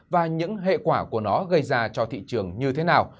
và những hệ quả của nó gây ra cho thị trường như thế nào